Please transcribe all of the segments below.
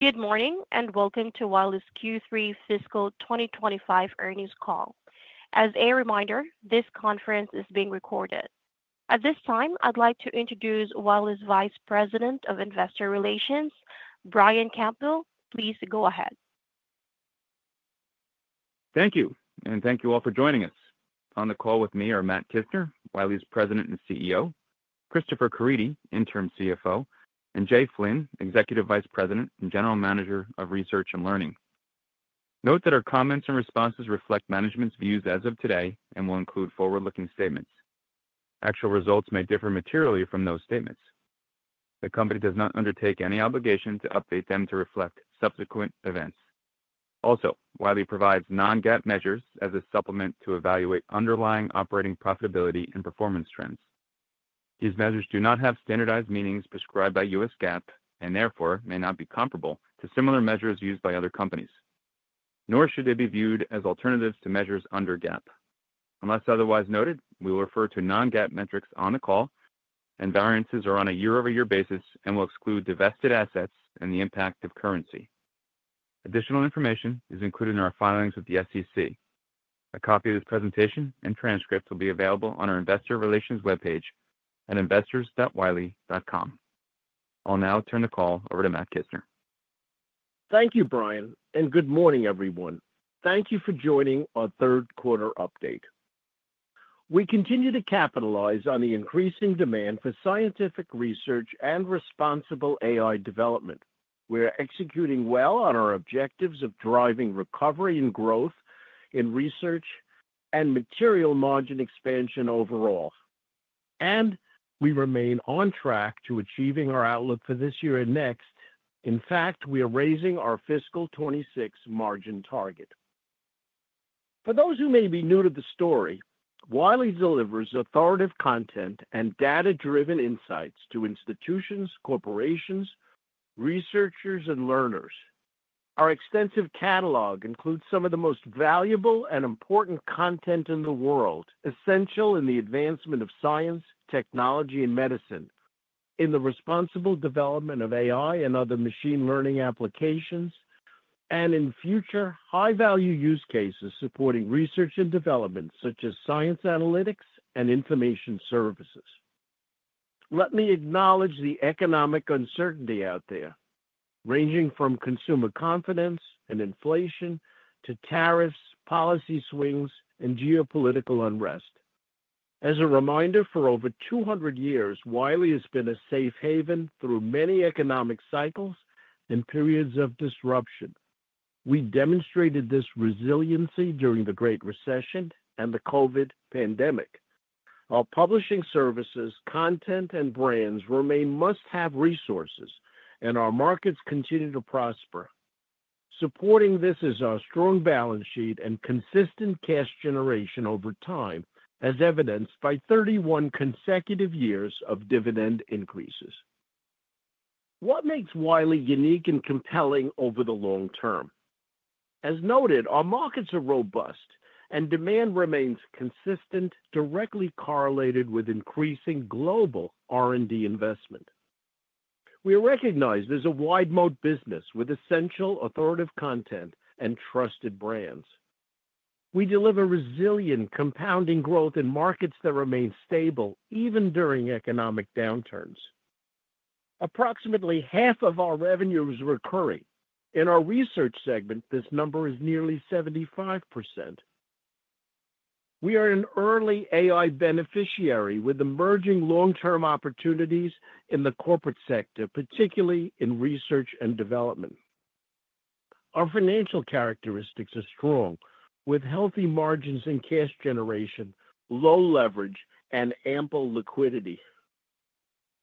Good morning and welcome to Wiley's Q3 Fiscal 2025 Earnings Call. As a reminder, this conference is being recorded. At this time, I'd like to introduce Wiley's Vice President of Investor Relations, Brian Campbell. Please go ahead. Thank you, and thank you all for joining us. On the call with me are Matt Kissner, Wiley's President and CEO, Christopher Caridi, Interim CFO, and Jay Flynn, Executive Vice President and General Manager of Research and Learning. Note that our comments and responses reflect management's views as of today and will include forward-looking statements. Actual results may differ materially from those statements. The company does not undertake any obligation to update them to reflect subsequent events. Also, Wiley provides non-GAAP measures as a supplement to evaluate underlying operating profitability and performance trends. These measures do not have standardized meanings prescribed by US GAAP and therefore may not be comparable to similar measures used by other companies, nor should they be viewed as alternatives to measures under GAAP. Unless otherwise noted, we will refer to non-GAAP metrics on the call, and variances are on a year-over-year basis and will exclude divested assets and the impact of currency. Additional information is included in our filings with the SEC. A copy of this presentation and transcript will be available on our Investor Relations webpage at investors.wiley.com. I'll now turn the call over to Matt Kissner. Thank you, Brian, and good morning, everyone. Thank you for joining our Q3 update. We continue to capitalize on the increasing demand for scientific research and responsible AI development. We are executing well on our objectives of driving recovery and growth in research and material margin expansion overall, and we remain on track to achieving our outlook for this year and next. In fact, we are raising our Fiscal 2026 margin target. For those who may be new to the story, Wiley delivers authoritative content and data-driven insights to institutions, corporations, researchers, and learners. Our extensive catalog includes some of the most valuable and important content in the world, essential in the advancement of science, technology, and medicine, in the responsible development of AI and other machine learning applications, and in future high-value use cases supporting research and development such as science analytics and information services. Let me acknowledge the economic uncertainty out there, ranging from consumer confidence and inflation to tariffs, policy swings, and geopolitical unrest. As a reminder, for over 200 years, Wiley has been a safe haven through many economic cycles and periods of disruption. We demonstrated this resiliency during the Great Recession and the COVID pandemic. Our publishing services, content, and brands remain must-have resources, and our markets continue to prosper. Supporting this is our strong balance sheet and consistent cash generation over time, as evidenced by 31 consecutive years of dividend increases. What makes Wiley unique and compelling over the long term? As noted, our markets are robust, and demand remains consistent, directly correlated with increasing global R&D investment. We are recognized as a wide-moat business with essential authoritative content and trusted brands. We deliver resilient, compounding growth in markets that remain stable even during economic downturns. Approximately half of our revenue is recurring. In our research segment, this number is nearly 75%. We are an early AI beneficiary with emerging long-term opportunities in the corporate sector, particularly in research and development. Our financial characteristics are strong, with healthy margins in cash generation, low leverage, and ample liquidity,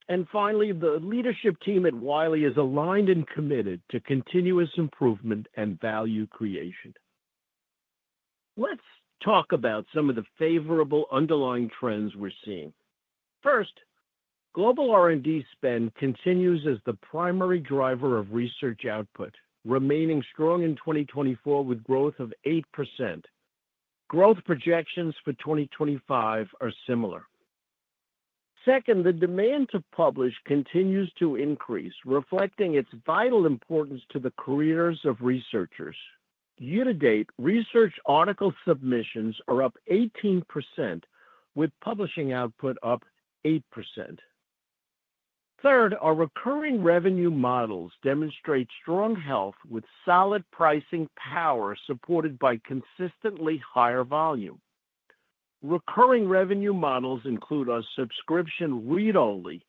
and finally, the leadership team at Wiley is aligned and committed to continuous improvement and value creation. Let's talk about some of the favorable underlying trends we're seeing. First, global R&D spend continues as the primary driver of research output, remaining strong in 2024 with growth of 8%. Growth projections for 2025 are similar. Second, the demand to publish continues to increase, reflecting its vital importance to the careers of researchers. Year-to-date, research article submissions are up 18%, with publishing output up 8%. Third, our recurring revenue models demonstrate strong health with solid pricing power supported by consistently higher volume. Recurring revenue models include our subscription read-only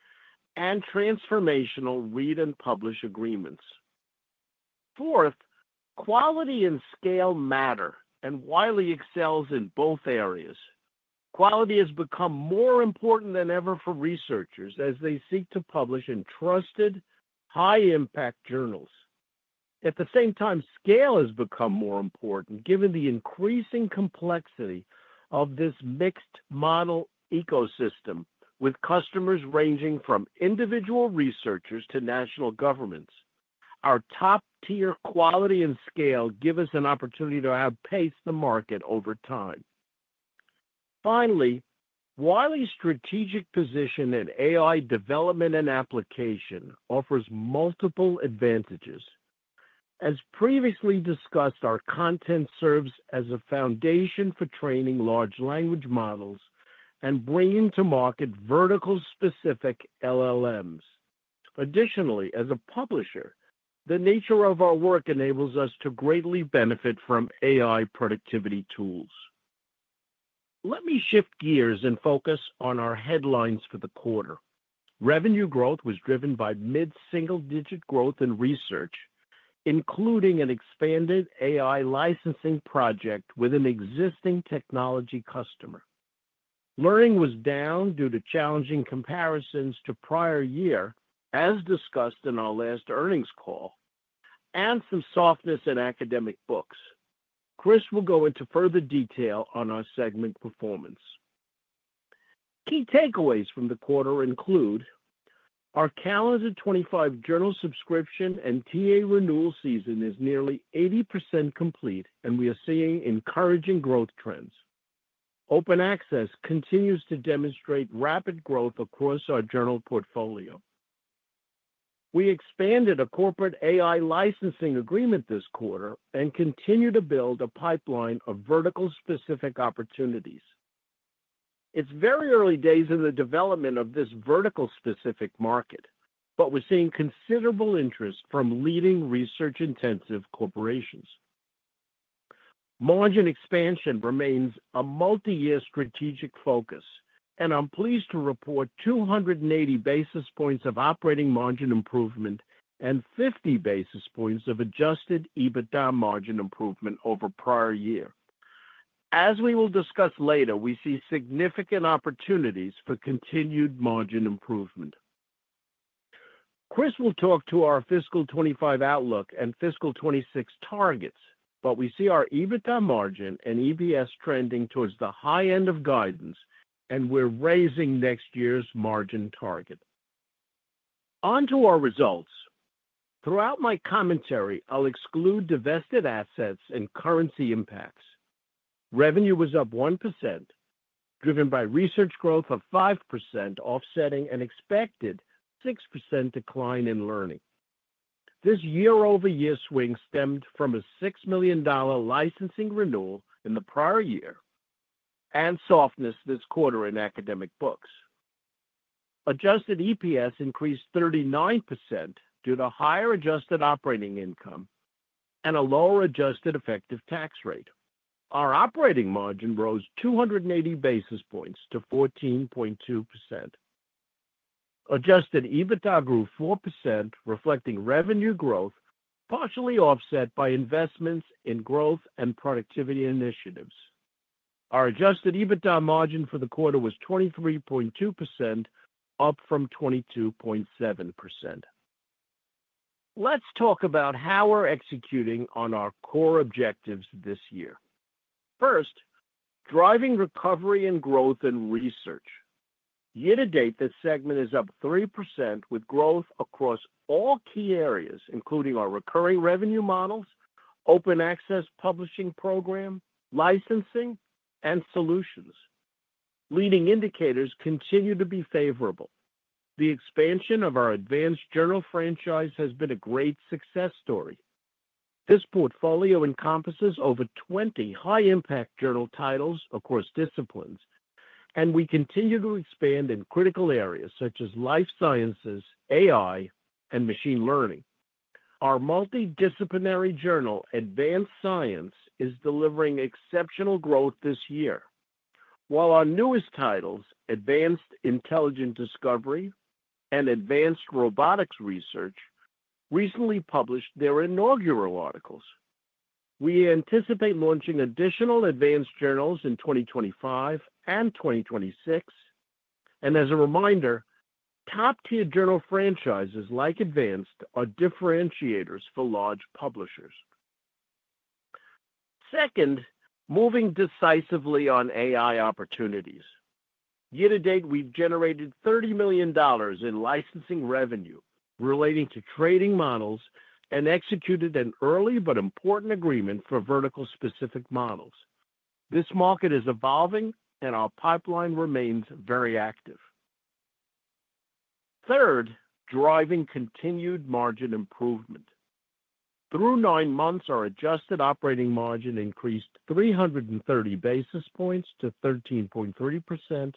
and transformational read and publish agreements. Fourth, quality and scale matter, and Wiley excels in both areas. Quality has become more important than ever for researchers as they seek to publish in trusted, high-impact journals. At the same time, scale has become more important given the increasing complexity of this mixed model ecosystem with customers ranging from individual researchers to national governments. Our top-tier quality and scale give us an opportunity to outpace the market over time. Finally, Wiley's strategic position in AI development and application offers multiple advantages. As previously discussed, our content serves as a foundation for training large language models and bringing to market vertical-specific LLMs. Additionally, as a publisher, the nature of our work enables us to greatly benefit from AI productivity tools. Let me shift gears and focus on our headlines for the quarter. Revenue growth was driven by mid-single-digit growth in research, including an expanded AI licensing project with an existing technology customer. Learning was down due to challenging comparisons to prior year, as discussed in our Last Earnings Call, and some softness in academic books. Chris will go into further detail on our segment performance. Key takeaways from the quarter include our calendar 2025 journal subscription and TA renewal season is nearly 80% complete, and we are seeing encouraging growth trends. Open Access continues to demonstrate rapid growth across our journal portfolio. We expanded a corporate AI licensing agreement this quarter and continue to build a pipeline of vertical-specific opportunities. It's very early days in the development of this vertical-specific market, but we're seeing considerable interest from leading research-intensive corporations. Margin expansion remains a multi-year strategic focus, and I'm pleased to report 280 basis points of operating margin improvement and 50 basis points of Adjusted EBITDA margin improvement over prior year. As we will discuss later, we see significant opportunities for continued margin improvement. Chris will talk to our Fiscal 2025 outlook and Fiscal 2026 targets, but we see our EBITDA margin and EPS trending towards the high end of guidance, and we're raising next year's margin target. Onto our results. Throughout my commentary, I'll exclude divested assets and currency impacts. Revenue was up 1%, driven by research growth of 5%, offsetting an expected 6% decline in Learning. This year-over-year swing stemmed from a $6 million licensing renewal in the prior year and softness this quarter in academic books. Adjusted EPS increased 39% due to higher adjusted operating income and a lower adjusted effective tax rate. Our operating margin rose 280 basis points to 14.2%. Adjusted EBITDA grew 4%, reflecting revenue growth partially offset by investments in growth and productivity initiatives. Our adjusted EBITDA margin for the quarter was 23.2%, up from 22.7%. Let's talk about how we're executing on our core objectives this year. First, driving recovery and growth in research. Year-to-date, this segment is up 3% with growth across all key areas, including our recurring revenue models, open access publishing program, licensing, and solutions. Leading indicators continue to be favorable. The expansion of our Advanced journal franchise has been a great success story. This portfolio encompasses over 20 high-impact journal titles across disciplines, and we continue to expand in critical areas such as life sciences, AI, and machine learning. Our multidisciplinary journal, Advanced Science, is delivering exceptional growth this year, while our newest titles, Advanced Intelligent Discovery and Advanced Robotics Research, recently published their inaugural articles. We anticipate launching additional advanced journals in 2025 and 2026, and as a reminder, top-tier journal franchises like Advanced are differentiators for large publishers. Second, moving decisively on AI opportunities. Year-to-date, we've generated $30 million in licensing revenue relating to training models and executed an early but important agreement for vertical-specific models. This market is evolving, and our pipeline remains very active. Third, driving continued margin improvement. Through nine months, our adjusted operating margin increased 330 basis points to 13.3%,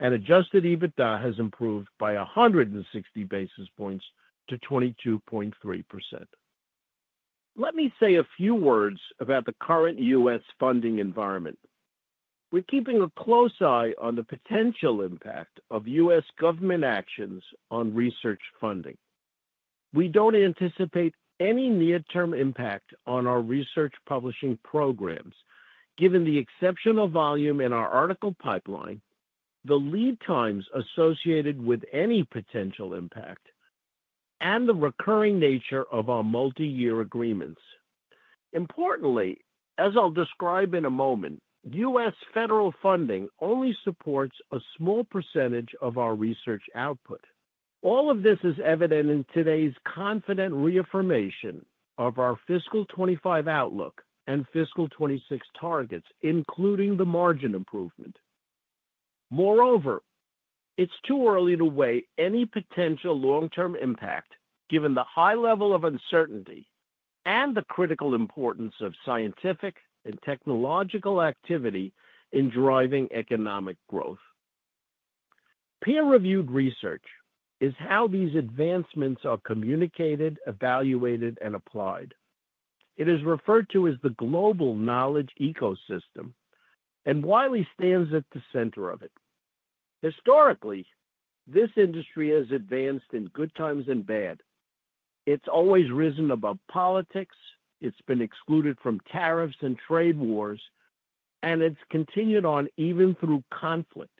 and Adjusted EBITDA has improved by 160 basis points to 22.3%. Let me say a few words about the current US funding environment. We're keeping a close eye on the potential impact of US government actions on research funding. We don't anticipate any near-term impact on our research publishing programs, given the exceptional volume in our article pipeline, the lead times associated with any potential impact, and the recurring nature of our multi-year agreements. Importantly, as I'll describe in a moment, US federal funding only supports a small percentage of our research output. All of this is evident in today's confident reaffirmation of our Fiscal 2025 outlook and Fiscal 2026 targets, including the margin improvement. Moreover, it's too early to weigh any potential long-term impact, given the high level of uncertainty and the critical importance of scientific and technological activity in driving economic growth. Peer-reviewed research is how these advancements are communicated, evaluated, and applied. It is referred to as the global knowledge ecosystem, and Wiley stands at the center of it. Historically, this industry has advanced in good times and bad. It's always risen above politics. It's been excluded from tariffs and trade wars, and it's continued on even through conflict.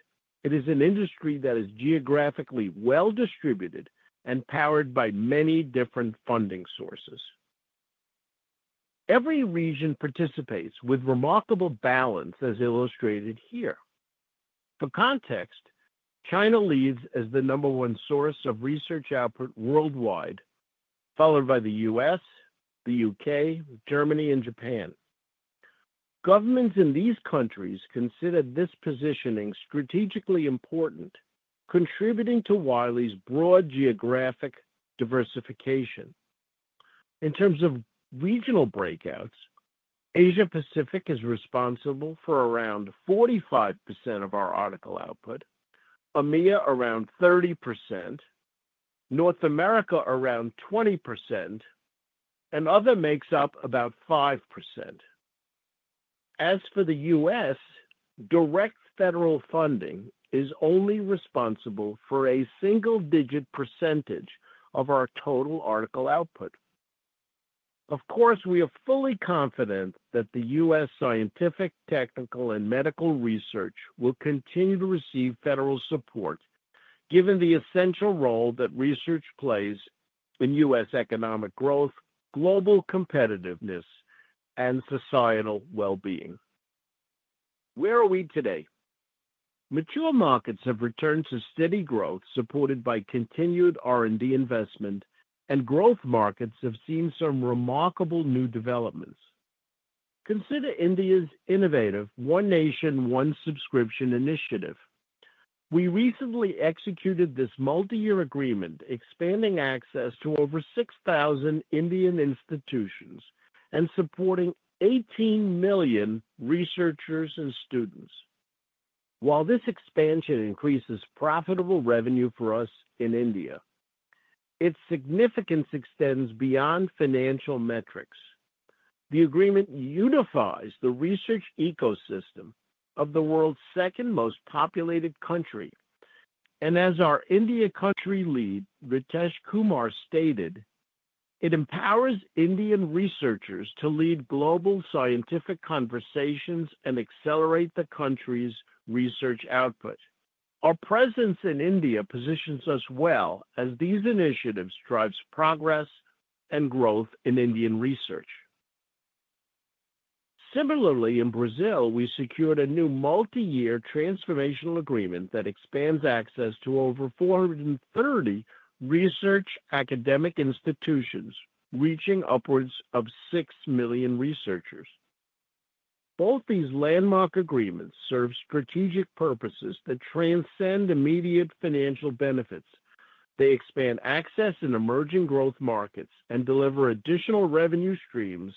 It is an industry that is geographically well-distributed and powered by many different funding sources. Every region participates with remarkable balance, as illustrated here. For context, China leads as the number one source of research output worldwide, followed by the US, the UK, Germany, and Japan. Governments in these countries consider this positioning strategically important, contributing to Wiley's broad geographic diversification. In terms of regional breakouts, Asia-Pacific is responsible for around 45% of our article output, EMEA around 30%, North America around 20%, and other makes up about 5%. As for the US, direct federal funding is only responsible for a single-digit percentage of our total article output. Of course, we are fully confident that the US. Scientific, technical, and medical research will continue to receive federal support, given the essential role that research plays in US economic growth, global competitiveness, and societal well-being. Where are we today? Mature markets have returned to steady growth, supported by continued R&D investment, and growth markets have seen some remarkable new developments. Consider India's innovative One Nation, One Subscription initiative. We recently executed this multi-year agreement, expanding access to over 6,000 Indian institutions and supporting 18 million researchers and students. While this expansion increases profitable revenue for us in India, its significance extends beyond financial metrics. The agreement unifies the research ecosystem of the world's second most populated country, and as our India Country Lead, Ritesh Kumar, stated, it empowers Indian researchers to lead global scientific conversations and accelerate the country's research output. Our presence in India positions us well as these initiatives drive progress and growth in Indian research. Similarly, in Brazil, we secured a new multi-year transformational agreement that expands access to over 430 research academic institutions, reaching upwards of 6 million researchers. Both these landmark agreements serve strategic purposes that transcend immediate financial benefits. They expand access in emerging growth markets and deliver additional revenue streams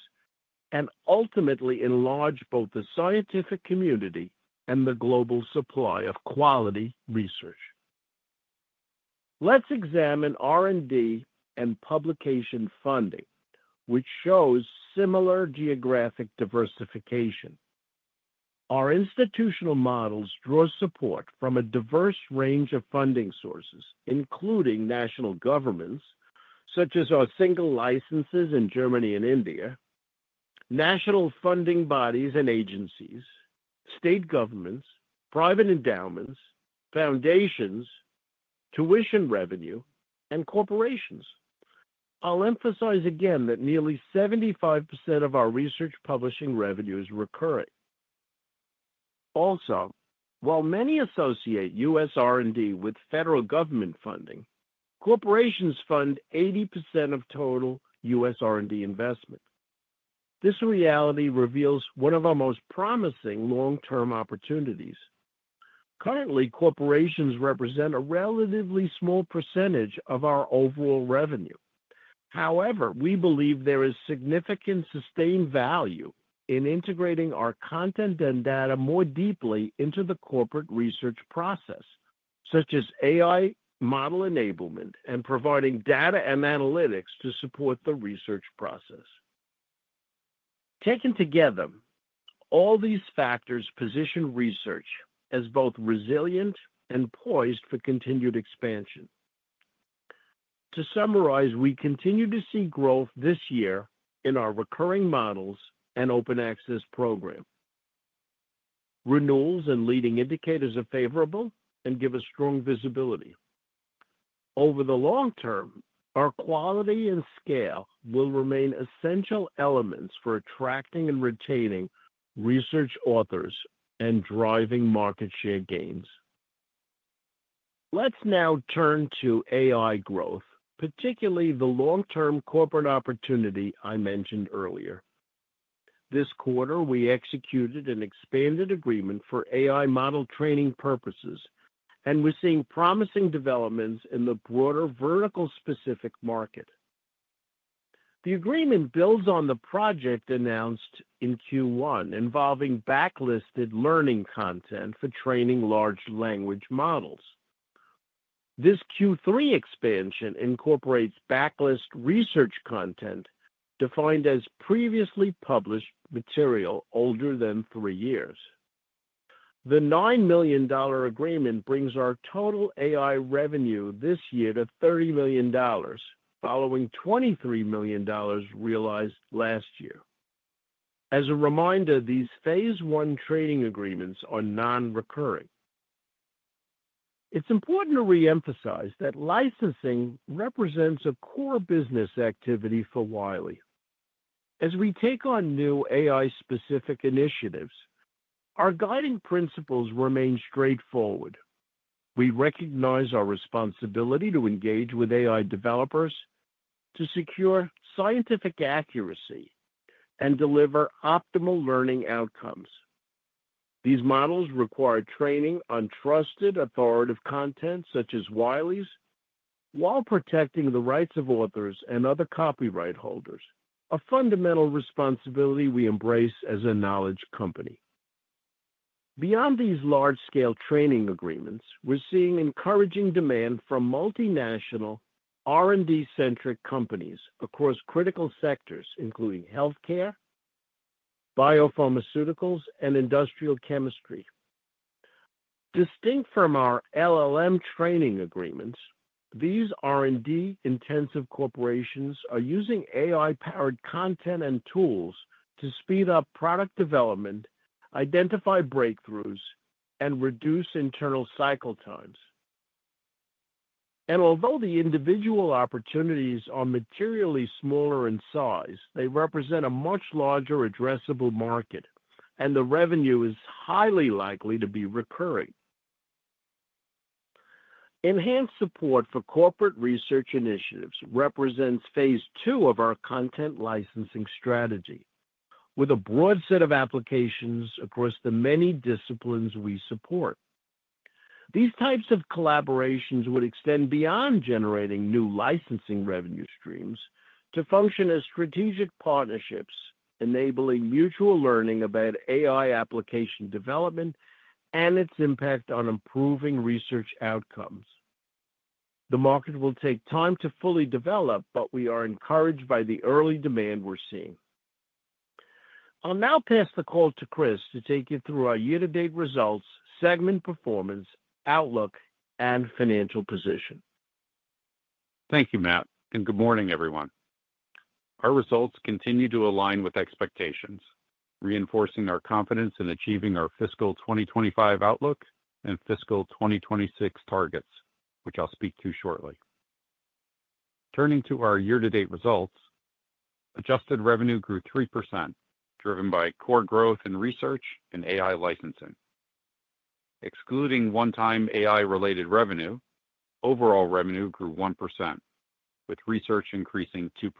and ultimately enlarge both the scientific community and the global supply of quality research. Let's examine R&D and publication funding, which shows similar geographic diversification. Our institutional models draw support from a diverse range of funding sources, including national governments such as our single licenses in Germany and India, national funding bodies and agencies, state governments, private endowments, foundations, tuition revenue, and corporations. I'll emphasize again that nearly 75% of our research publishing revenue is recurring. Also, while many associate US R&D with federal government funding, corporations fund 80% of total US R&D investment. This reality reveals one of our most promising long-term opportunities. Currently, corporations represent a relatively small percentage of our overall revenue. However, we believe there is significant sustained value in integrating our content and data more deeply into the corporate research process, such as AI model enablement and providing data and analytics to support the research process. Taken together, all these factors position research as both resilient and poised for continued expansion. To summarize, we continue to see growth this year in our recurring models and open access program. Renewals and leading indicators are favorable and give us strong visibility. Over the long term, our quality and scale will remain essential elements for attracting and retaining research authors and driving market share gains. Let's now turn to AI growth, particularly the long-term corporate opportunity I mentioned earlier. This quarter, we executed an expanded agreement for AI model training purposes, and we're seeing promising developments in the broader vertical-specific market. The agreement builds on the project announced in Q1 involving backlist Learning content for training large language models. This Q3 expansion incorporates backlist research content defined as previously published material older than three years. The $9 million agreement brings our total AI revenue this year to $30 million, following $23 million realized last year. As a reminder, these phase I training agreements are non-recurring. It's important to reemphasize that licensing represents a core business activity for Wiley. As we take on new AI-specific initiatives, our guiding principles remain straightforward. We recognize our responsibility to engage with AI developers to secure scientific accuracy and deliver optimal learning outcomes. These models require training on trusted, authoritative content such as Wiley's, while protecting the rights of authors and other copyright holders, a fundamental responsibility we embrace as a knowledge company. Beyond these large-scale training agreements, we're seeing encouraging demand from multinational R&D-centric companies across critical sectors, including healthcare, biopharmaceuticals, and industrial chemistry. Distinct from our LLM training agreements, these R&D-intensive corporations are using AI-powered content and tools to speed up product development, identify breakthroughs, and reduce internal cycle times. And although the individual opportunities are materially smaller in size, they represent a much larger addressable market, and the revenue is highly likely to be recurring. Enhanced support for corporate research initiatives represents Phase II of our content licensing strategy, with a broad set of applications across the many disciplines we support. These types of collaborations would extend beyond generating new licensing revenue streams to function as strategic partnerships, enabling mutual learning about AI application development and its impact on improving research outcomes. The market will take time to fully develop, but we are encouraged by the early demand we're seeing. I'll now pass the call to Chris to take you through our year-to-date results, segment performance, outlook, and financial position. Thank you, Matt, and good morning, everyone. Our results continue to align with expectations, reinforcing our confidence in achieving our Fiscal 2025 outlook and Fiscal 2026 targets, which I'll speak to shortly. Turning to our year-to-date results, adjusted revenue grew 3%, driven by core growth in research and AI licensing. Excluding one-time AI-related revenue, overall revenue grew 1%, with research increasing 2%.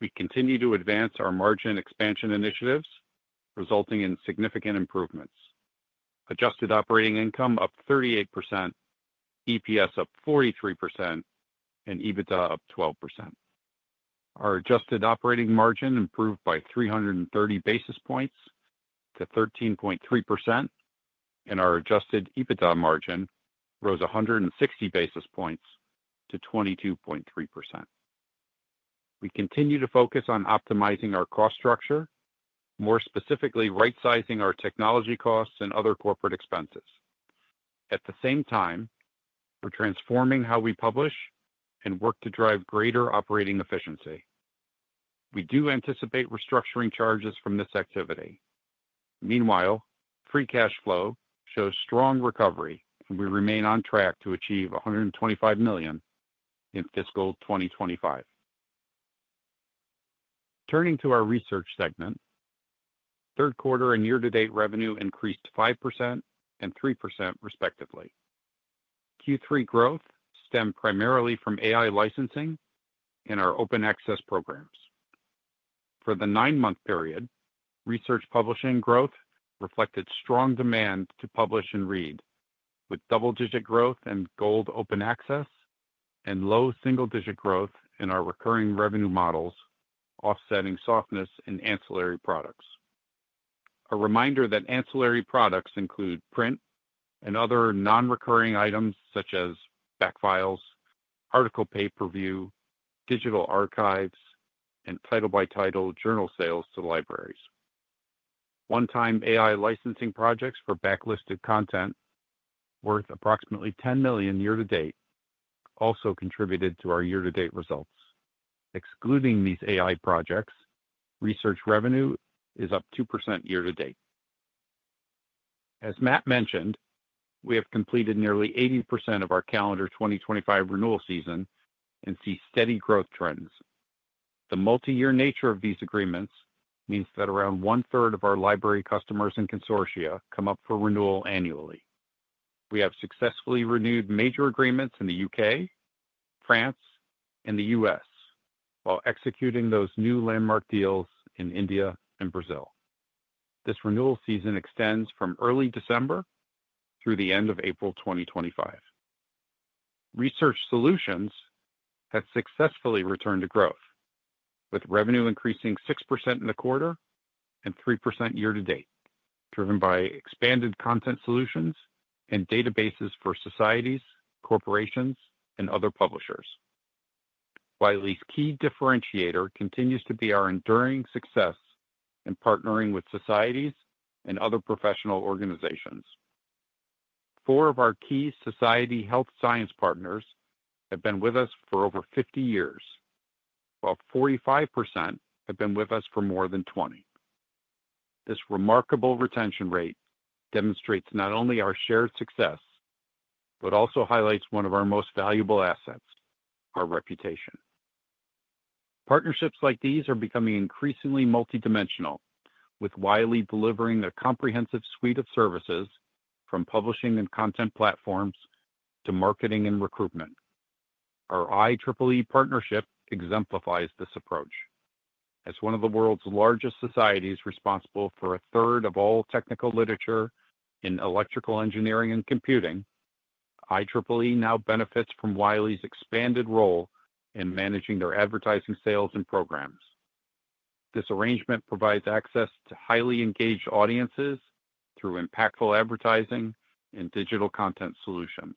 We continue to advance our margin expansion initiatives, resulting in significant improvements: adjusted operating income up 38%, EPS up 43%, and EBITDA up 12%. Our adjusted operating margin improved by 330 basis points to 13.3%, and our adjusted EBITDA margin rose 160 basis points to 22.3%. We continue to focus on optimizing our cost structure, more specifically right-sizing our technology costs and other corporate expenses. At the same time, we're transforming how we publish and work to drive greater operating efficiency. We do anticipate restructuring charges from this activity. Meanwhile, free cash flow shows strong recovery, and we remain on track to achieve $125 million in Fiscal 2025. Turning to our research segment, Q3 and year-to-date revenue increased 5% and 3%, respectively. Q3 growth stemmed primarily from AI licensing in our open access programs. For the nine-month period, research publishing growth reflected strong demand to publish and read, with double-digit growth in Gold Open Access and low single-digit growth in our recurring revenue models, offsetting softness in ancillary products. A reminder that ancillary products include print and other non-recurring items such as backfiles, article peer review, digital archives, and title-by-title journal sales to libraries. One-time AI licensing projects for backlist content worth approximately $10 million year-to-date also contributed to our year-to-date results. Excluding these AI projects, research revenue is up 2% year-to-date. As Matt mentioned, we have completed nearly 80% of our calendar 2025 renewal season and see steady growth trends. The multi-year nature of these agreements means that around one-third of our library customers and consortia come up for renewal annually. We have successfully renewed major agreements in the UK, France, and the US, while executing those new landmark deals in India and Brazil. This renewal season extends from early December through the end of April 2025. Research solutions have successfully returned to growth, with revenue increasing 6% in the quarter and 3% year-to-date, driven by expanded content solutions and databases for societies, corporations, and other publishers. Wiley's key differentiator continues to be our enduring success in partnering with societies and other professional organizations. Four of our key society health science partners have been with us for over 50 years, while 45% have been with us for more than 20. This remarkable retention rate demonstrates not only our shared success, but also highlights one of our most valuable assets: our reputation. Partnerships like these are becoming increasingly multidimensional, with Wiley delivering a comprehensive suite of services from publishing and content platforms to marketing and recruitment. Our IEEE partnership exemplifies this approach. As one of the world's largest societies responsible for a third of all technical literature in electrical engineering and computing, IEEE now benefits from Wiley's expanded role in managing their advertising sales and programs. This arrangement provides access to highly engaged audiences through impactful advertising and digital content solutions.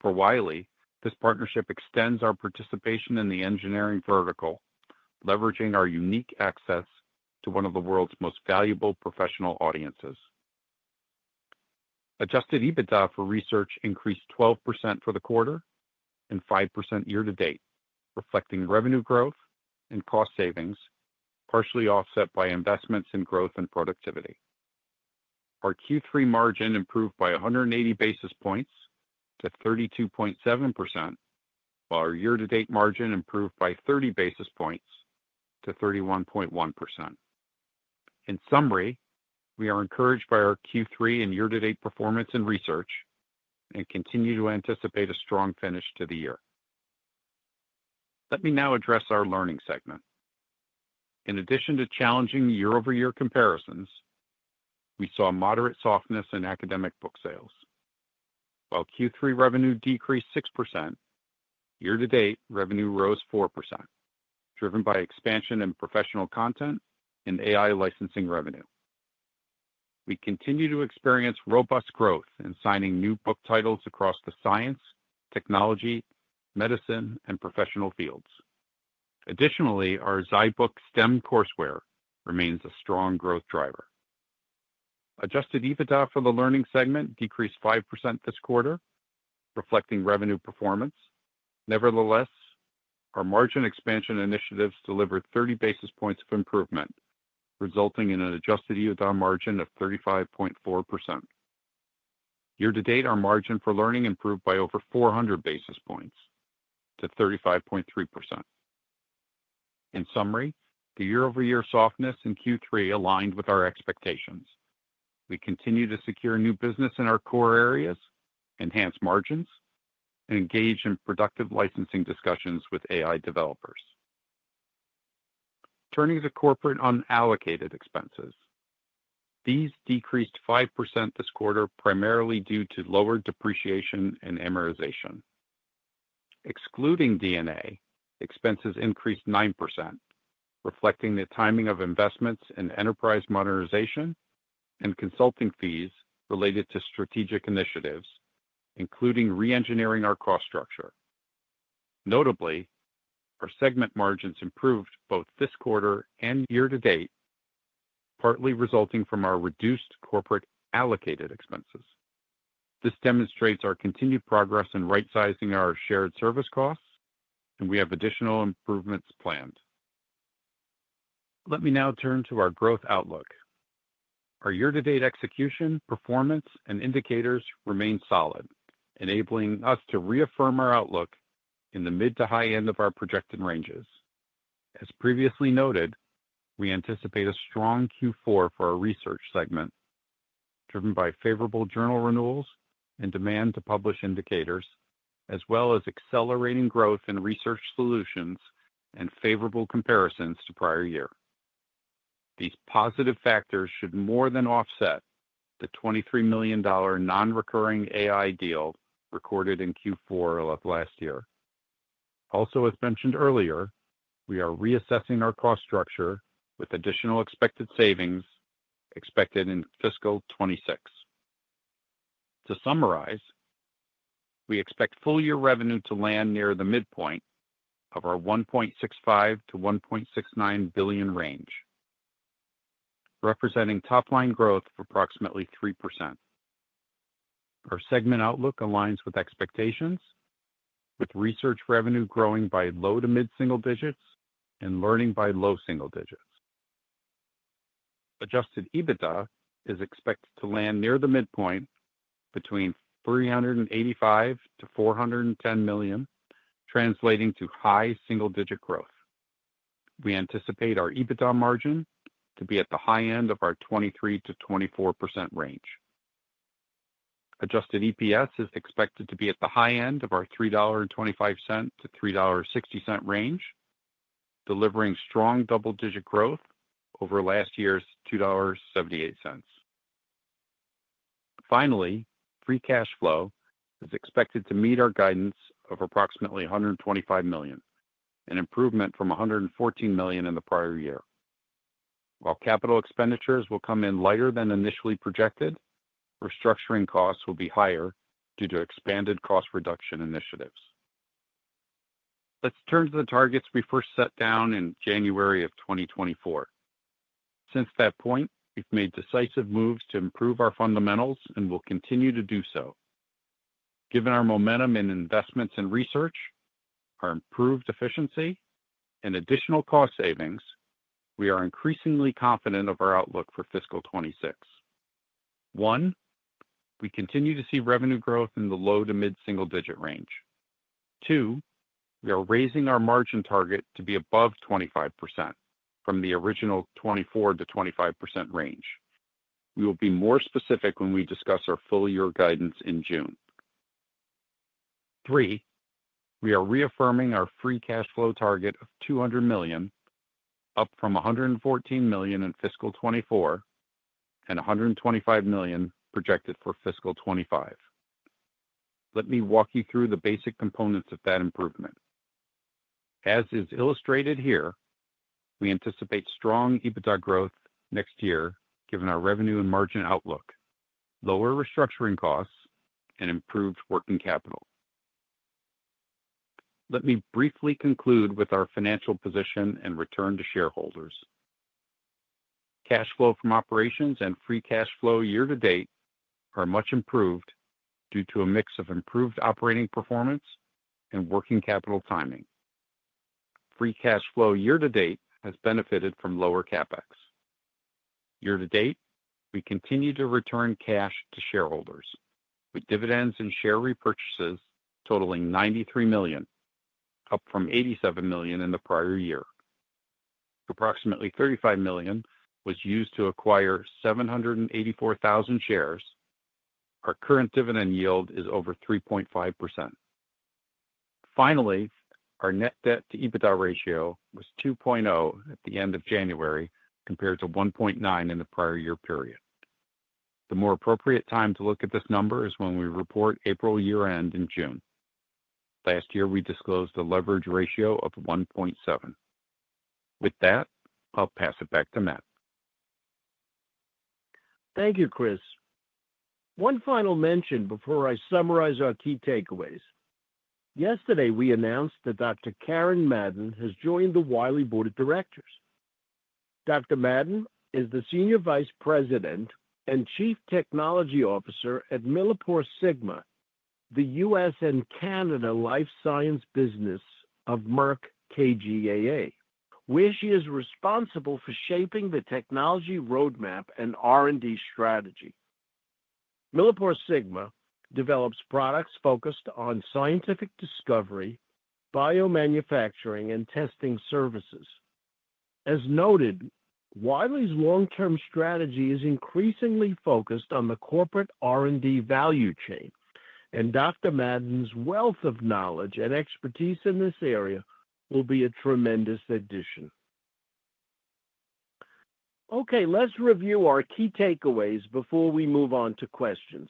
For Wiley, this partnership extends our participation in the engineering vertical, leveraging our unique access to one of the world's most valuable professional audiences. Adjusted EBITDA for research increased 12% for the quarter and 5% year-to-date, reflecting revenue growth and cost savings, partially offset by investments in growth and productivity. Our Q3 margin improved by 180 basis points to 32.7%, while our year-to-date margin improved by 30 basis points to 31.1%. In summary, we are encouraged by our Q3 and year-to-date performance in research and continue to anticipate a strong finish to the year. Let me now address our Learning segment. In addition to challenging year-over-year comparisons, we saw moderate softness in academic book sales. While Q3 revenue decreased 6%, year-to-date revenue rose 4%, driven by expansion in professional content and AI licensing revenue. We continue to experience robust growth in signing new book titles across the science, technology, medicine, and professional fields. Additionally, our zyBooks STEM courseware remains a strong growth driver. Adjusted EBITDA for the Learning segment decreased 5% this quarter, reflecting revenue performance. Nevertheless, our margin expansion initiatives delivered 30 basis points of improvement, resulting in an adjusted EBITDA margin of 35.4%. Year-to-date, our margin for Learning improved by over 400 basis points to 35.3%. In summary, the year-over-year softness in Q3 aligned with our expectations. We continue to secure new business in our core areas, enhance margins, and engage in productive licensing discussions with AI developers. Turning to corporate unallocated expenses, these decreased 5% this quarter primarily due to lower depreciation and amortization. Excluding D&A, expenses increased 9%, reflecting the timing of investments in enterprise modernization and consulting fees related to strategic initiatives, including re-engineering our cost structure. Notably, our segment margins improved both this quarter and year-to-date, partly resulting from our reduced corporate allocated expenses. This demonstrates our continued progress in right-sizing our shared service costs, and we have additional improvements planned. Let me now turn to our growth outlook. These positive factors should more than offset the $23 million non-recurring AI deal recorded in Q4 of last year. Also, as mentioned earlier, we are reassessing our cost structure with additional expected savings in Fiscal 2026. To summarize, we expect full-year revenue to land near the midpoint of our $1.65-1.69 billion range, representing top-line growth of approximately 3%. Our segment outlook aligns with expectations, with research revenue growing by low to mid single digits and Learning by low single digits. Adjusted EBITDA is expected to land near the midpoint between $385-410 million, translating to high single-digit growth. We anticipate our EBITDA margin to be at the high end of our 23%-24% range. Adjusted EPS is expected to be at the high end of our $3.25-$3.60 range, delivering strong double-digit growth over last year's $2.78. Finally, free cash flow is expected to meet our guidance of approximately $125 million, an improvement from $114 million in the prior year. While capital expenditures will come in lighter than initially projected, restructuring costs will be higher due to expanded cost reduction initiatives. Let's turn to the targets we first set down in January of 2024. Since that point, we've made decisive moves to improve our fundamentals and will continue to do so. Given our momentum in investments and research, our improved efficiency, and additional cost savings, we are increasingly confident of our outlook for Fiscal 2026. One, we continue to see revenue growth in the low to mid single-digit range. Two, we are raising our margin target to be above 25% from the original 24%-25% range. We will be more specific when we discuss our full-year guidance in June. Three, we are reaffirming our free cash flow target of $200 million, up from $114 million in Fiscal 2024 and $125 million projected for Fiscal 2025. Let me walk you through the basic components of that improvement. As is illustrated here, we anticipate strong EBITDA growth next year, given our revenue and margin outlook, lower restructuring costs, and improved working capital. Let me briefly conclude with our financial position and return to shareholders. Cash flow from operations and free cash flow year-to-date are much improved due to a mix of improved operating performance and working capital timing. Free cash flow year-to-date has benefited from lower CapEx. Year-to-date, we continue to return cash to shareholders, with dividends and share repurchases totaling $93 million, up from $87 million in the prior year. Approximately $35 million was used to acquire 784,000 shares. Our current dividend yield is over 3.5%. Finally, our net debt to EBITDA ratio was 2.0 at the end of January compared to 1.9 in the prior year period. The more appropriate time to look at this number is when we report April year-end and June. Last year, we disclosed a leverage ratio of 1.7. With that, I'll pass it back to Matt. Thank you, Chris. One final mention before I summarize our key takeaways. Yesterday, we announced that Dr. Karen Madden has joined the Wiley Board of Directors. Dr. Madden is the Senior Vice President and Chief Technology Officer at MilliporeSigma, the US and Canada life science business of Merck KGaA, where she is responsible for shaping the technology roadmap and R&D strategy. MilliporeSigma develops products focused on scientific discovery, biomanufacturing, and testing services. As noted, Wiley's long-term strategy is increasingly focused on the corporate R&D value chain, and Dr. Madden's wealth of knowledge and expertise in this area will be a tremendous addition. Okay, let's review our key takeaways before we move on to questions.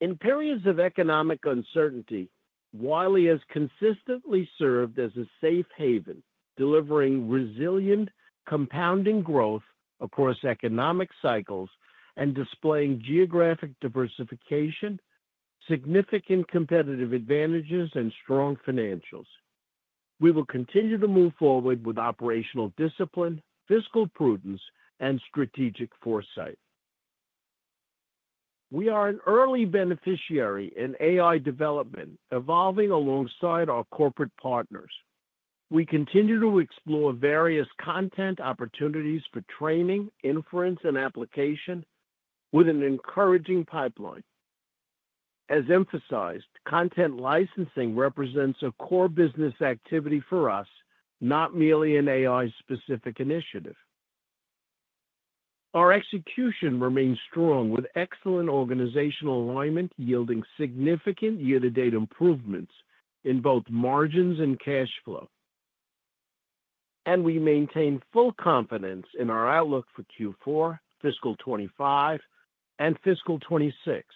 In periods of economic uncertainty, Wiley has consistently served as a safe haven, delivering resilient, compounding growth across economic cycles and displaying geographic diversification, significant competitive advantages, and strong financials. We will continue to move forward with operational discipline, fiscal prudence, and strategic foresight. We are an early beneficiary in AI development, evolving alongside our corporate partners. We continue to explore various content opportunities for training, inference, and application, with an encouraging pipeline. As emphasized, content licensing represents a core business activity for us, not merely an AI-specific initiative. Our execution remains strong, with excellent organizational alignment yielding significant year-to-date improvements in both margins and cash flow, and we maintain full confidence in our outlook for Q4, Fiscal 2025, and Fiscal 2026,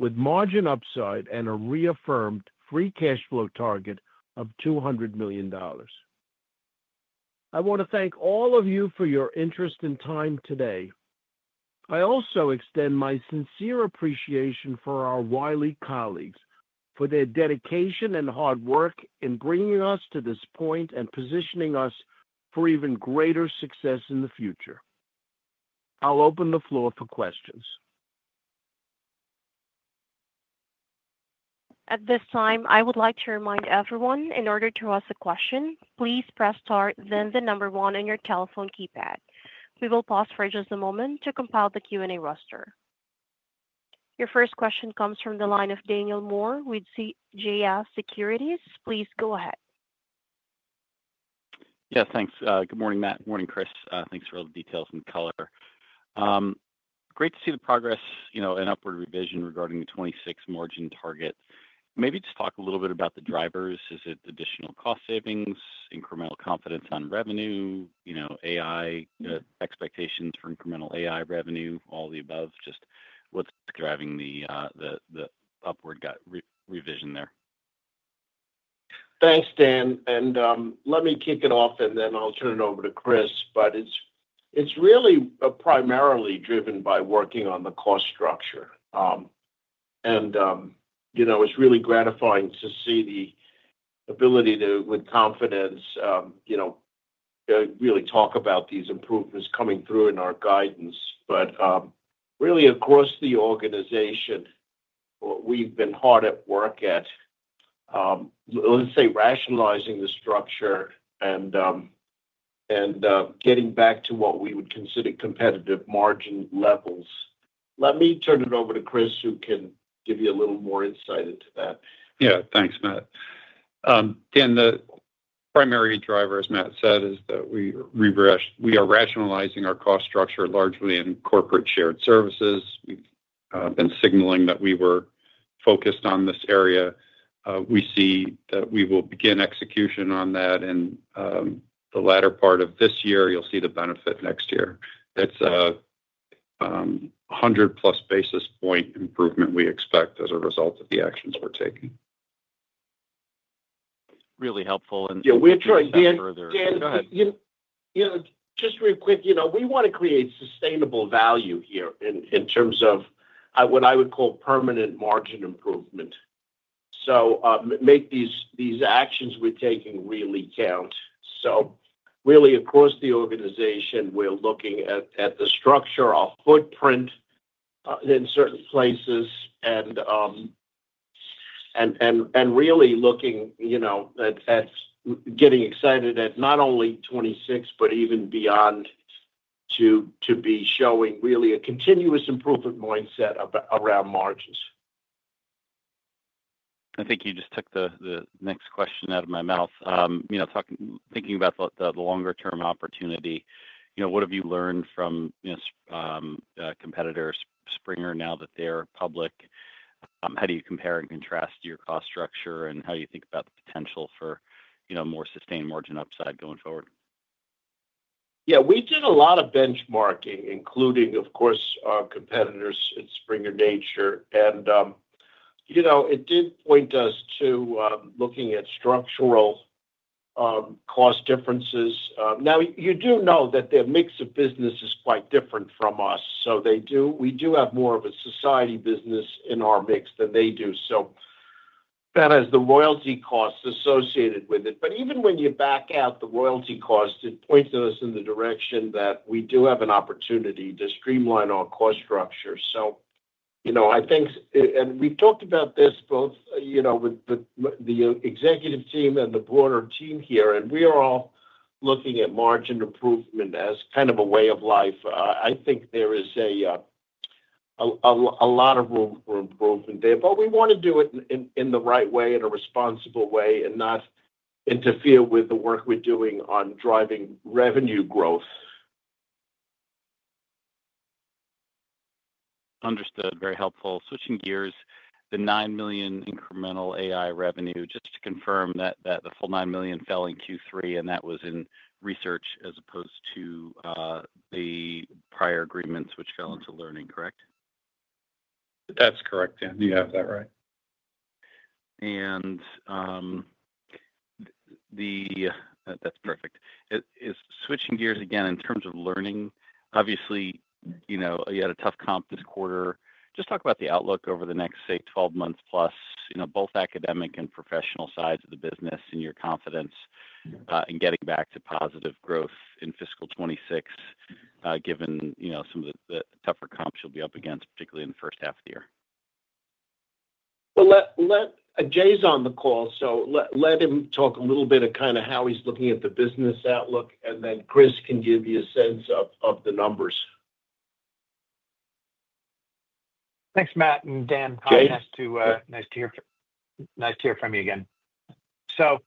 with margin upside and a reaffirmed free cash flow target of $200 million. I want to thank all of you for your interest and time today. I also extend my sincere appreciation for our Wiley colleagues for their dedication and hard work in bringing us to this point and positioning us for even greater success in the future. I'll open the floor for questions. At this time, I would like to remind everyone, in order to ask a question, please press star, then the number one on your telephone keypad. We will pause for just a moment to compile the Q&A roster. Your first question comes from the line of Daniel Moore with CJS Securities. Please go ahead. Yeah, thanks. Good morning, Matt. Good morning, Chris. Thanks for all the details and color. Great to see the progress and upward revision regarding the 26 margin target. Maybe just talk a little bit about the drivers. Is it additional cost savings, incremental confidence on revenue, AI expectations for incremental AI revenue, all the above? Just what's driving the upward revision there? Thanks, Dan. And let me kick it off, and then I'll turn it over to Chris. But it's really primarily driven by working on the cost structure. And it's really gratifying to see the ability to, with confidence, really talk about these improvements coming through in our guidance. But really, across the organization, we've been hard at work at, let's say, rationalizing the structure and getting back to what we would consider competitive margin levels. Let me turn it over to Chris, who can give you a little more insight into that. Yeah, thanks, Matt. Dan, the primary driver, as Matt said, is that we are rationalizing our cost structure largely in corporate shared services. We've been signaling that we were focused on this area. We see that we will begin execution on that, and the latter part of this year, you'll see the benefit next year. That's a 100-plus basis point improvement we expect as a result of the actions we're taking. Really helpful. And yeah, we'll try again. Dan, just real quick, we want to create sustainable value here in terms of what I would call permanent margin improvement. So make these actions we're taking really count. So really, across the organization, we're looking at the structure, our footprint in certain places, and really looking at getting excited at not only 26, but even beyond, to be showing really a continuous improvement mindset around margins. I think you just took the next question out of my mouth. Thinking about the longer-term opportunity, what have you learned from competitors, Springer now that they're public? How do you compare and contrast your cost structure, and how do you think about the potential for more sustained margin upside going forward? Yeah, we did a lot of benchmarking, including, of course, our competitors at Springer Nature. And it did point us to looking at structural cost differences. Now, you do know that their mix of business is quite different from us. So we do have more of a society business in our mix than they do. So that has the royalty costs associated with it. But even when you back out the royalty cost, it points to us in the direction that we do have an opportunity to streamline our cost structure. So I think, and we've talked about this both with the executive team and the broader team here, and we are all looking at margin improvement as kind of a way of life. I think there is a lot of room for improvement there, but we want to do it in the right way, in a responsible way, and not interfere with the work we're doing on driving revenue growth. Understood. Very helpful. Switching gears, the $9 million incremental AI revenue, just to confirm that the full $9 million fell in Q3, and that was in research as opposed to the prior agreements, which fell into Learning, correct? That's correct, Dan. You have that right. And that's perfect. Switching gears again in terms of Learning, obviously, you had a tough comp this quarter. Just talk about the outlook over the next, say, 12 months plus, both academic and professional sides of the business and your confidence in getting back to positive growth in Fiscal 2026, given some of the tougher comps you'll be up against, particularly in the first half of the year. Well, let Jay is on the call, so let him talk a little bit of kind of how he's looking at the business outlook, and then Chris can give you a sense of the numbers. Thanks, Matt. Dan, nice to hear from you again. So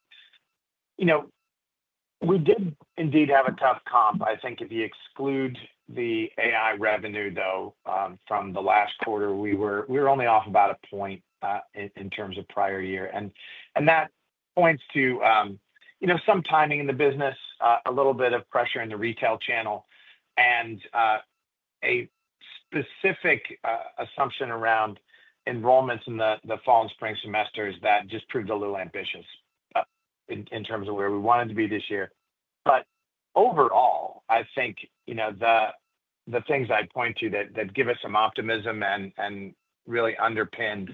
we did indeed have a tough comp. I think if you exclude the AI revenue, though, from the last quarter, we were only off about a point in terms of prior year. That points to some timing in the business, a little bit of pressure in the retail channel, and a specific assumption around enrollments in the fall and spring semesters that just proved a little ambitious in terms of where we wanted to be this year. But overall, I think the things I point to that give us some optimism and really underpin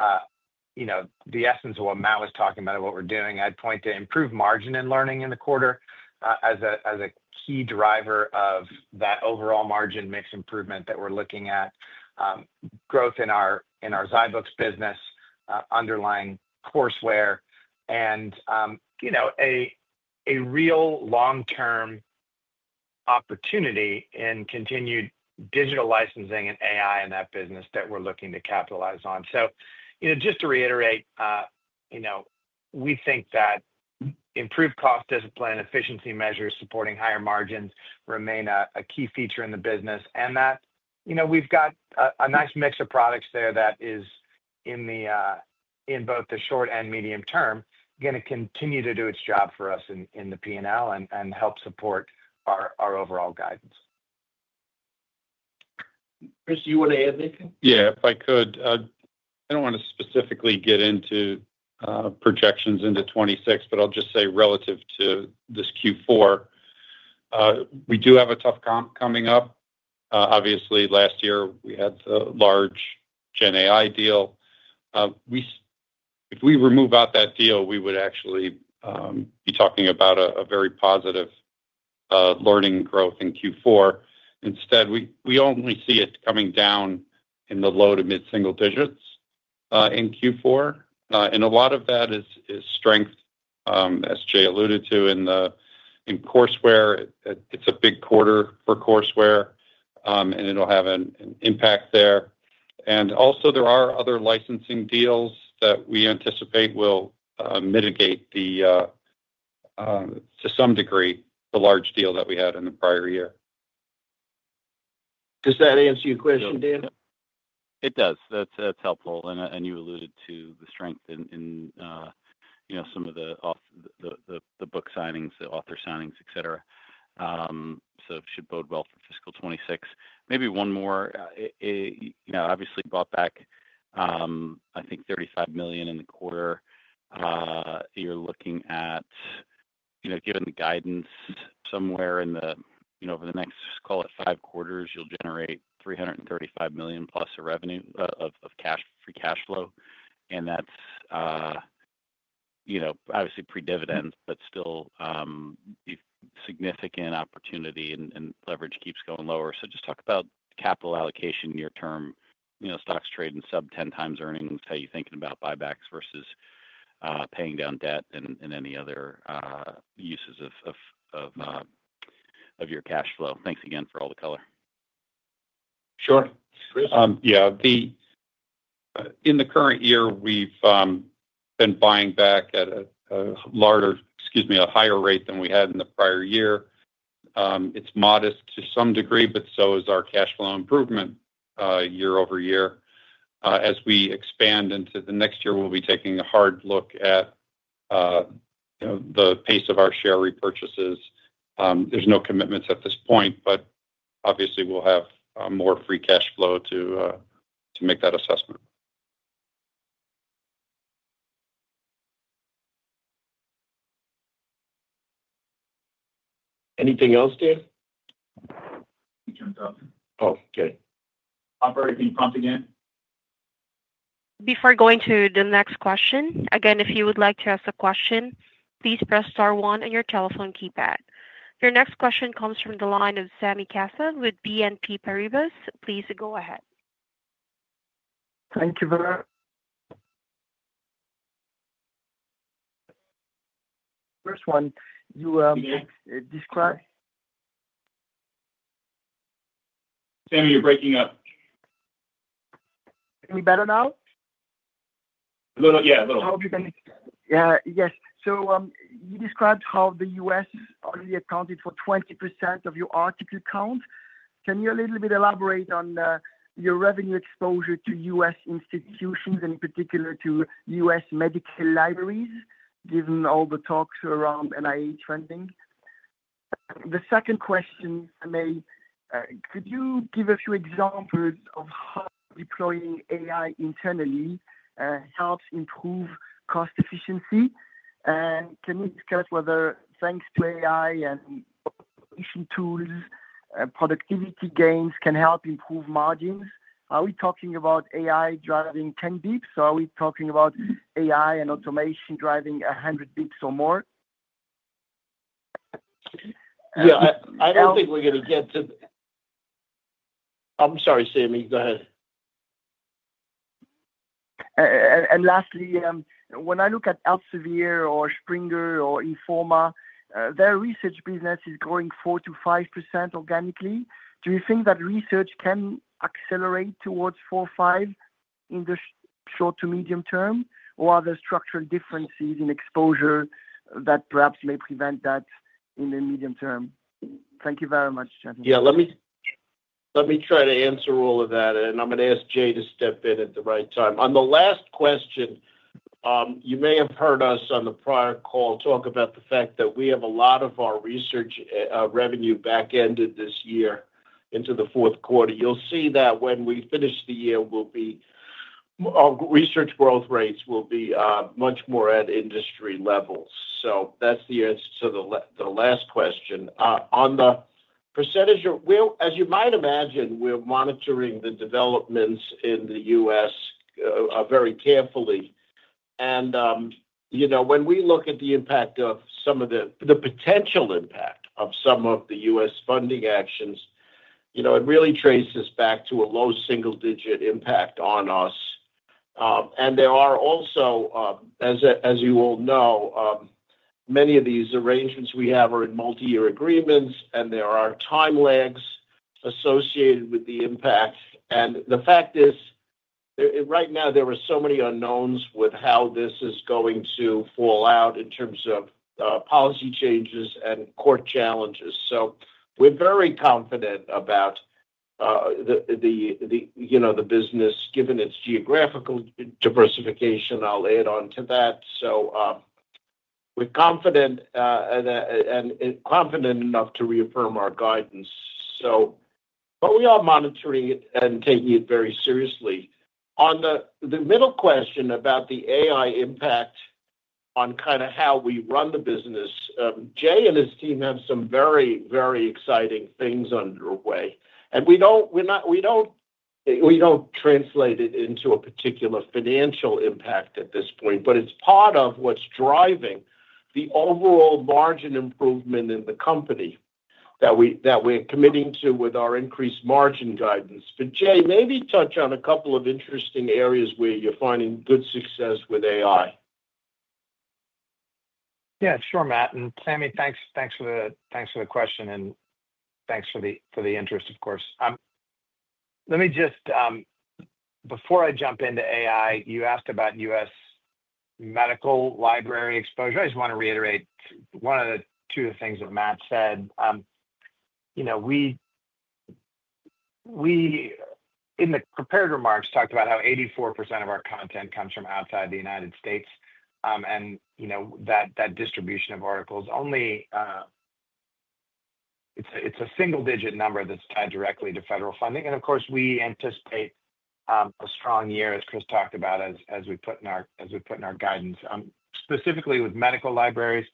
the essence of what Matt was talking about and what we're doing. I'd point to improved margins in Learning in the quarter as a key driver of that overall margin mix improvement that we're looking at, growth in our zyBooks business, underlying courseware, and a real long-term opportunity in continued digital licensing and AI in that business that we're looking to capitalize on. So just to reiterate, we think that improved cost discipline, efficiency measures supporting higher margins remain a key feature in the business. And we've got a nice mix of products there that is, in both the short and medium term, going to continue to do its job for us in the P&L and help support our overall guidance. Chris, do you want to add anything? Yeah, if I could. I don't want to specifically get into projections into 2026, but I'll just say relative to this Q4, we do have a tough comp coming up. Obviously, last year, we had the large GenAI deal. If we remove out that deal, we would actually be talking about a very positive Learning growth in Q4. Instead, we only see it coming down in the low to mid-single digits in Q4. And a lot of that is strength, as Jay alluded to, in courseware. It's a big quarter for courseware, and it'll have an impact there. And also, there are other licensing deals that we anticipate will mitigate to some degree the large deal that we had in the prior year. Does that answer your question, Dan? It does. That's helpful. And you alluded to the strength in some of the book signings, the author signings, etc. So it should bode well for Fiscal 2026. Maybe one more. Obviously, bought back, I think, $35 million in the quarter. You're looking at, given the guidance, somewhere in the, over the next, call it Q5, you'll generate $335 million plus of cash free cash flow. And that's obviously pre-dividend, but still significant opportunity and leverage keeps going lower. So just talk about capital allocation near-term. Stocks trade in sub-10 times earnings. How are you thinking about buybacks versus paying down debt and any other uses of your cash flow? Thanks again for all the color. Sure. Yeah. In the current year, we've been buying back at a larger, excuse me, a higher rate than we had in the prior year. It's modest to some degree, but so is our cash flow improvement year over year. As we expand into the next year, we'll be taking a hard look at the pace of our share repurchases. There's no commitments at this point, but obviously, we'll have more free cash flow to make that assessment. Anything else, Dan? He jumped off. Oh, okay. Operator, can you prompt again? Before going to the next question, again, if you would like to ask a question, please press star one on your telephone keypad. Your next question comes from the line of Sami Kassab with BNP Paribas. Please go ahead. Thank you, operator. First one, you describe. Sami, you're breaking up. Can you better now? A little. Yeah, a little. Yeah. Yes. So you described how the US only accounted for 20% of your article count. Can you a little bit elaborate on your revenue exposure to US institutions, and in particular, to US medical libraries, given all the talks around NIH funding? The second question, could you give a few examples of how deploying AI internally helps improve cost efficiency? And can you discuss whether, thanks to AI and automation tools, productivity gains can help improve margins? Are we talking about AI driving 10 basis points? Are we talking about AI and automation driving 100 basis points or more? Yeah, I don't think we're going to get to— I'm sorry, Sami. Go ahead. And lastly, when I look at Elsevier or Springer or Informa, their research business is growing 4%-5% organically. Do you think that research can accelerate towards 4%-5% in the short to medium term, or are there structural differences in exposure that perhaps may prevent that in the medium term? Thank you very much, gentlemen. Yeah, let me try to answer all of that, and I'm going to ask Jay to step in at the right time. On the last question, you may have heard us on the prior call talk about the fact that we have a lot of our research revenue back-ended this year into the Q4. You'll see that when we finish the year, our research growth rates will be much more at industry levels. So that's the answer to the last question. On the percentage of, well, as you might imagine, we're monitoring the developments in the US very carefully. When we look at the impact of some of the potential impact of some of the US funding actions, it really traces back to a low single-digit impact on us. And there are also, as you all know, many of these arrangements we have are in multi-year agreements, and there are time lags associated with the impact. And the fact is, right now, there are so many unknowns with how this is going to fall out in terms of policy changes and court challenges. So we're very confident about the business, given its geographical diversification. I'll add on to that. So we're confident and confident enough to reaffirm our guidance. But we are monitoring it and taking it very seriously. On the middle question about the AI impact on kind of how we run the business, Jay and his team have some very, very exciting things underway. We don't translate it into a particular financial impact at this point, but it's part of what's driving the overall margin improvement in the company that we're committing to with our increased margin guidance. But Jay, maybe touch on a couple of interesting areas where you're finding good success with AI. Yeah, sure, Matt. And Sami, thanks for the question, and thanks for the interest, of course. Let me just, before I jump into AI, you asked about US medical library exposure. I just want to reiterate one or two of the things that Matt said. In the prepared remarks, talked about how 84% of our content comes from outside the United States, and that distribution of articles only, it's a single-digit number that's tied directly to federal funding. And of course, we anticipate a strong year, as Chris talked about, as we put in our guidance, specifically with medical libraries.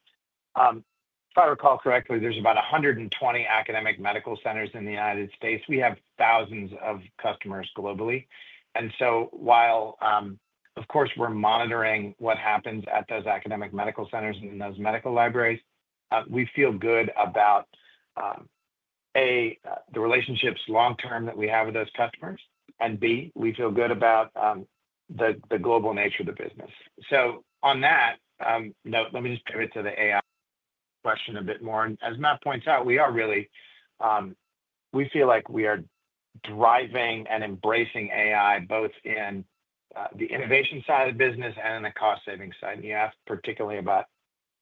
If I recall correctly, there's about 120 academic medical centers in the United States. We have thousands of customers globally. And so while, of course, we're monitoring what happens at those academic medical centers and those medical libraries, we feel good about, A, the relationships long-term that we have with those customers, and B, we feel good about the global nature of the business. So on that note, let me just pivot to the AI question a bit more. And as Matt points out, we are really, we feel like we are driving and embracing AI both in the innovation side of the business and in the cost-saving side. And you asked particularly about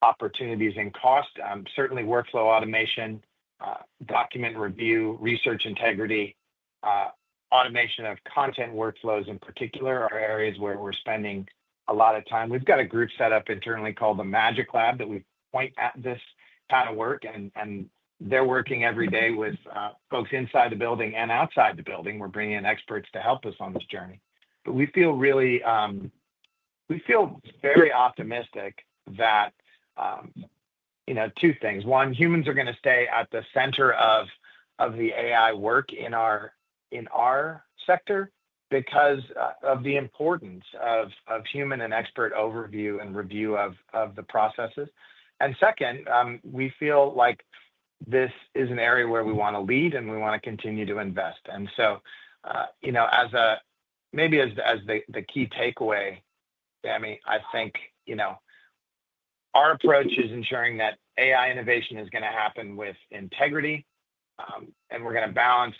opportunities in cost. Certainly, workflow automation, document review, research integrity, automation of content workflows in particular are areas where we're spending a lot of time. We've got a group set up internally called the Magic Lab that we point at this kind of work, and they're working every day with folks inside the building and outside the building. We're bringing in experts to help us on this journey. But we feel very optimistic that two things. One, humans are going to stay at the center of the AI work in our sector because of the importance of human and expert overview and review of the processes. And second, we feel like this is an area where we want to lead, and we want to continue to invest. And so maybe as the key takeaway, Sami, I think our approach is ensuring that AI innovation is going to happen with integrity, and we're going to balance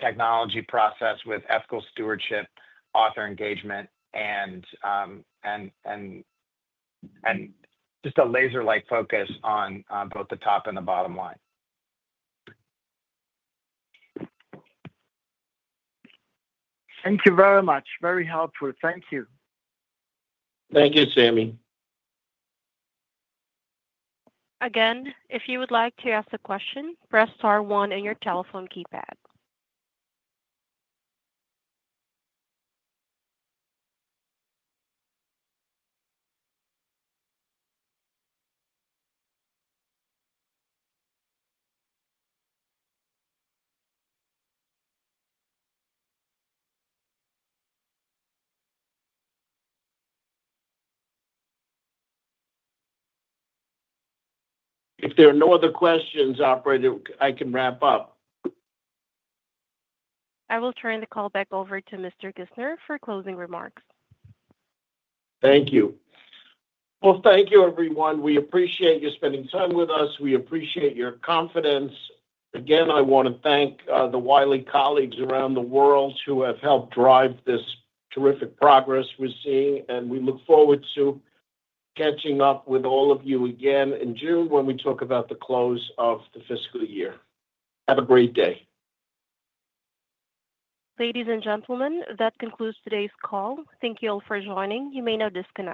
technology process with ethical stewardship, author engagement, and just a laser-like focus on both the top and the bottom line. Thank you very much. Very helpful. Thank you. Thank you, Sami. Again, if you would like to ask a question, press star one in your telephone keypad. If there are no other questions, Operator, I can wrap up. I will turn the call back over to Mr. Kissner for closing remarks. Thank you. Well, thank you, everyone. We appreciate you spending time with us. We appreciate your confidence. Again, I want to thank the Wiley colleagues around the world who have helped drive this terrific progress we're seeing, and we look forward to catching up with all of you again in June when we talk about the close of the fiscal year. Have a great day. Ladies and gentlemen, that concludes today's call. Thank you all for joining. You may now disconnect.